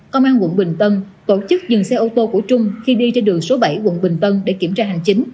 công an quận bình tân tổ chức dừng xe ô tô của trung khi đi trên đường số bảy quận bình tân để kiểm tra hành chính